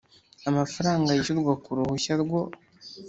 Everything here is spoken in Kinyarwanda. Amafaranga yishyurwa ku ruhushya rwo